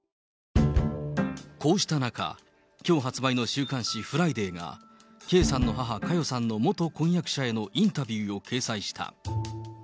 こうした中、きょう発売の週刊誌、フライデーが、圭さんの母、佳代さんの元婚約者へのインタビューを掲載した。